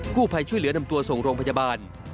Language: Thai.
ผู้ภัยช่วยเหลือนำตัวส่งโรงพยาบาล